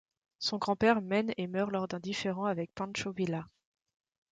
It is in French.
Son grand-père mène et meurt lors d'un différend avec Pancho Villa.